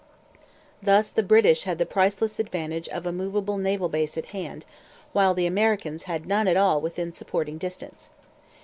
Thus the British had the priceless advantage of a movable naval base at hand, while the Americans had none at all within supporting distance.